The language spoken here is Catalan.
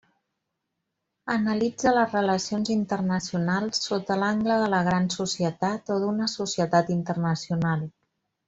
Analitza les relacions internacionals sota l'angle de la Gran Societat o d'una societat internacional.